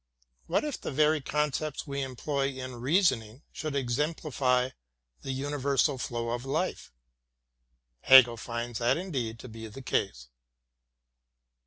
What if the very concepts we employ in reasoning should exemplify the universal flow of life? Hegel finds that indeed to be the case.